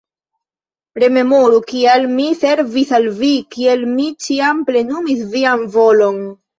Rememoru, kiel mi servis al vi, kiel mi ĉiam plenumis vian volon.